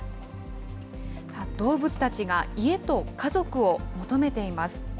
動物たちが、家と家族を求めています。